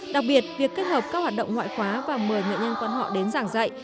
đặc biệt việc kết hợp các hoạt động ngoại khóa và mời nghệ nhân quan họ đến giảng dạy